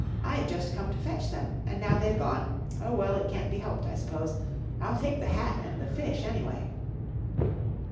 I'd just come to fetch them. And now they've gone ! Oh, well, it can't be helped, I suppose. I'll take the hat and the fish, anyway."